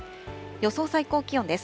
予想最高気温です。